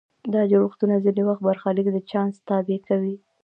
دا جوړښتونه ځینې وخت برخلیک د چانس تابع کوي.